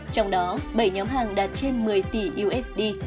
trong đó bảy nhóm hàng đạt trên một mươi tỷ usd